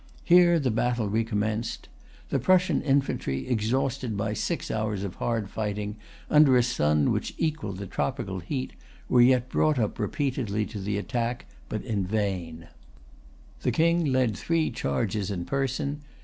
Here the battle recommenced. The Prussian infantry, exhausted by six hours of hard fighting under a sun which equalled the tropical heat, were yet brought up repeatedly to the attack, but in vain. The King led three charges in person.